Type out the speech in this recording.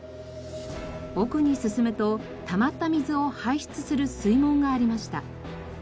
奥に進むとたまった水を排出する水門がありました。